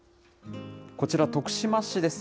こちら、徳島市です。